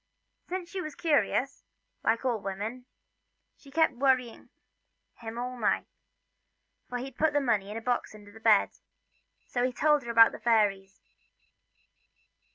Since she was curious, like all women, she kept worrying him all night for he'd put the money in a box under the bed so he told her about the fairies.